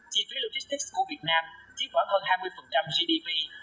chi phí logistics của việt nam chiếm khoảng hơn hai mươi gdp